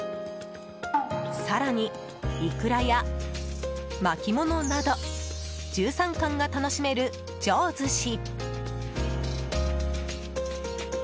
更に、イクラや巻き物など１３貫が楽しめる、上寿司。